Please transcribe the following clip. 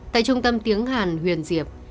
tại trung tâm tiếng hàn huyền diệp